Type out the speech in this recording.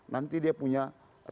nanti dia punya kemampuan